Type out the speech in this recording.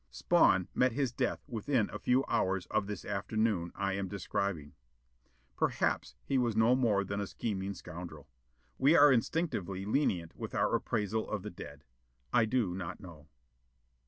Spawn met his death within a few hours of this afternoon I am describing. Perhaps he was no more than a scheming scoundrel. We are instinctively lenient with our appraisal of the dead. I do not know.